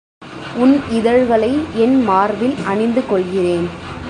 உன் இதழ்களை என் மார்பில் அணிந்து கொள்கிறேன்.